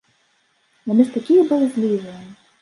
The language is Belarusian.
Яны ж такія баязлівыя!